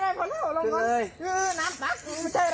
เอาขึ้นอีก